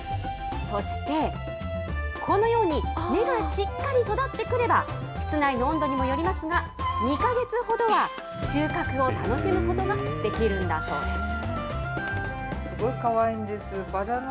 そしてこのように、根がしっかり育ってくれば、室内の温度にもよりますが、２か月ほどは収穫を楽しむことができるんだそうです。